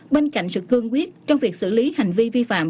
bên cạnh sự cương quyết trong việc xử lý hành vi vi phạm